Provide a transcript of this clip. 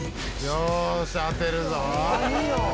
「よーし当てるぞ！」